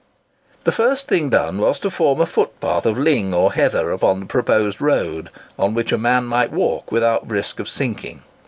The first thing done was to form a footpath of ling or heather along the proposed road, on which a man might walk without risk of sinking.